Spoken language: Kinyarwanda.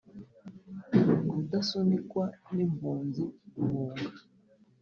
Rudasunikwa n’impunzi guhunga,